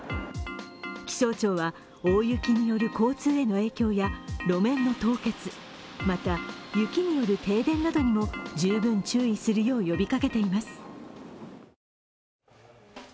気象庁は大雪による交通への影響や路面の凍結、また、雪による停電などにも十分注意するよう呼びかけています。